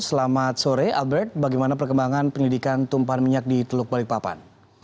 selamat sore albert bagaimana perkembangan penyelidikan tumpahan minyak di teluk balikpapan